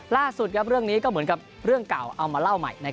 เรื่องนี้ก็เหมือนกับเรื่องเก่าเอามาเล่าใหม่